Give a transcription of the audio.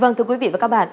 vâng thưa quý vị và các bạn